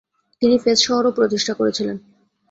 তিনি ফেজ শহরও প্রতিষ্ঠা করেছিলেন।